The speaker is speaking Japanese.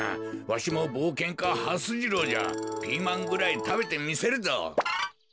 わしもぼうけんかはす次郎じゃピーマンぐらいたべてみせるぞ。